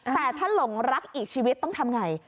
แต่ถ้าหลงรักอีกชีวิตต้องทำไง